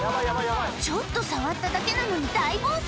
ちょっと触っただけなのに、大暴走。